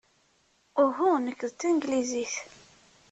Uhu, nekk d tanglizit.